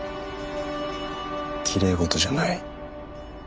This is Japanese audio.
きれい事じゃない。